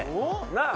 なあ。